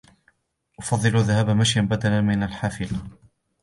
أفضل الذهاب مشيا بدلا من الذهاب بالحافلة.